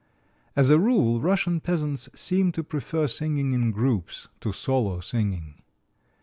As a rule, Russian peasants seem to prefer singing in groups to solo singing.